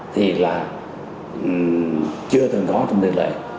thì là chưa từng có trong địa lệ